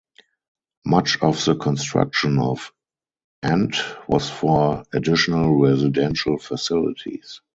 Much of the construction at Ent was for additional residential facilities.